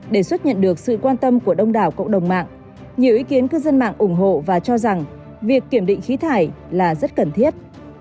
đề xuất nhận được sự quan tâm của đông đảo cộng đồng mạng nhiều ý kiến cư dân mạng ủng hộ và cho rằng việc kiểm định khí thải là rất cần thiết